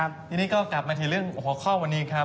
ทีนี้ก็กลับมาถึงเรื่องหัวข้อวันนี้ครับ